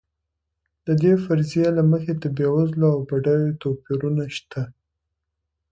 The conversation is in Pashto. د دې فرضیې له مخې د بېوزلو او بډایو توپیرونه شته.